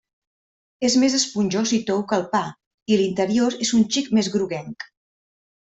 És més esponjós i tou que el pa i l'interior és un xic més groguenc.